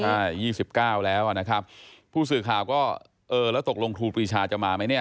ใช่๒๙แล้วนะครับผู้สื่อข่าวก็เออแล้วตกลงครูปรีชาจะมาไหมเนี่ย